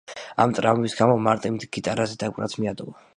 ამ ტრავმის გამო მარტიმ გიტარაზე დაკვრაც მიატოვა.